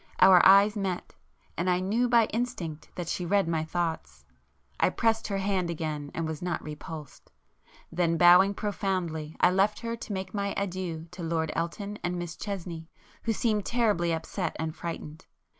Our eyes met; and I knew by instinct that she read my thoughts. I pressed her hand again and was not repulsed,—then bowing profoundly, I left her to make my adieux to Lord Elton and Miss Chesney, who seemed terribly upset and frightened.